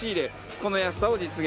この安さを実現。